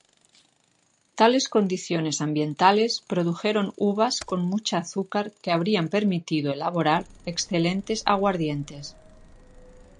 Tales condiciones ambientales produjeron uvas con mucha azúcar que habrían permitido elaborar excelentes aguardientes.